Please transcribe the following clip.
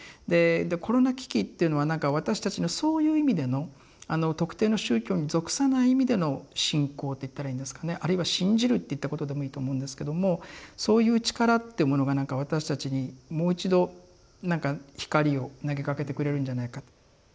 でコロナ危機っていうのは私たちのそういう意味での特定の宗教に属さない意味での信仰って言ったらいいんですかねあるいは信じるっていったことでもいいと思うんですけどもそういう力ってものが私たちにもう一度光を投げかけてくれるんじゃないか。